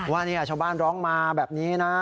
ว่าชาวบ้านร้องมาแบบนี้นะ